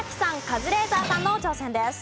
カズレーザーさんの挑戦です。